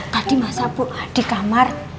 tadi masa bu di kamar